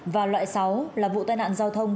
và loại sáu là vụ tai nạn giao thông